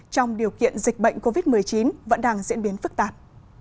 trong điều kiện dịch bệnh covid một mươi chín vẫn đang diễn biến phức tạp